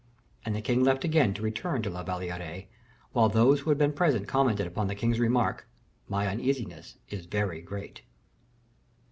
And the king left again to return to La Valliere, while those who had been present commented upon the king's remark: "My uneasiness is very great."